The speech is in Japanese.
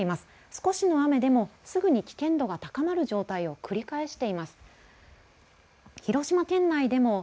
少しの雨でもすぐに危険度が高まる状態を繰り返しています。